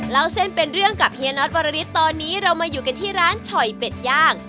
เล่าเส้นเป็นเรื่องกับเฮียน็อตวรริสตอนนี้เรามาอยู่กันที่ร้านฉ่อยเป็ดย่าง